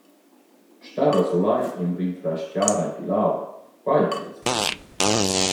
Star a sulai e’m rinfrais-char aint in l’aua, quai am vess plaschü.»